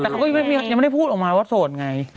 แต่เขาก็ยังไม่ได้พูดออกมาว่าโสดไง